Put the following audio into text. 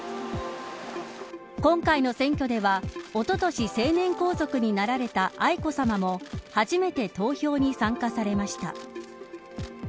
今回の選挙ではおととし成年皇族になられた愛子さまも初めて投票に参加されました。